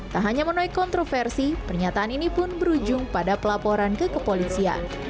tak hanya menuai kontroversi pernyataan ini pun berujung pada pelaporan ke kepolisian